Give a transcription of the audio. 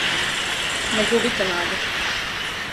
Не губите наду!